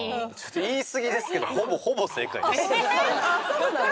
言いすぎですけどほぼほぼ正解です。